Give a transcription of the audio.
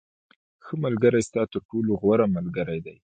• ښه ملګری ستا تر ټولو غوره ملګری دی.